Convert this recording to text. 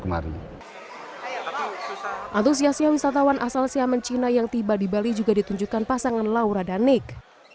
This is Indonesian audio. antusiasnya wisatawan asal siam china yang tiba di bali juga ditunjukkan pasangan laura dan nick